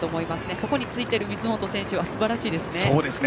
そこについている水本選手はすばらしいですね。